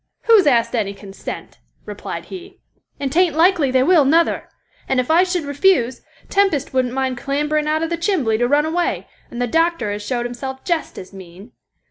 Who's asked any consent?" replied he, "and 'tain't likely they will nuther; and if I should refuse, Tempest wouldn't mind clamberin' out of the chimbly to run away, and the doctor has showed himself jest as mean.